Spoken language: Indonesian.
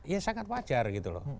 ya sangat wajar gitu loh